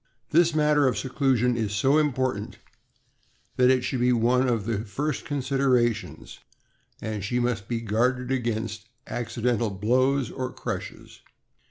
This matter of seclusion is so important it should be one of the first considerations, and she must be guarded against acci dental blows or crushes.